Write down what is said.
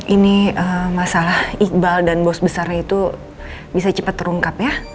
ini masalah iqbal dan bos besarnya itu bisa cepat terungkap ya